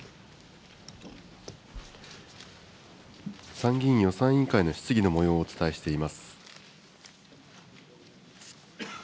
参議院予算委員会の質疑のもようをお伝えしています。